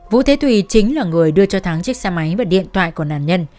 vũ thế thùy chính là người đưa cho thắng chiếc xe máy và điện thoại của nạn nhân